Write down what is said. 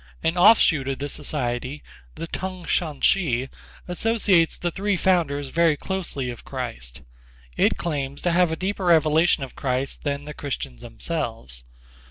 An offshoot of this society, the T'ung Shan She, associates the three founders very closely with Christ. It claims to have a deeper revelation of Christ than the Christians themselves.